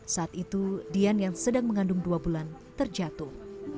saat itu dian yang sedang mengandung dua bulan terjatuh